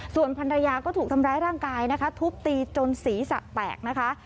ส่วนภรรยาก็ถูกทำร้ายร่างกายนะคะทุบตีจนศีรษะแตกนะคะ